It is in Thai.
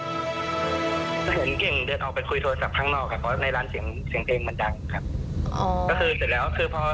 แต่ก็น่าจะเข้ารู้จักกันอยู่ในโต๊ะครับ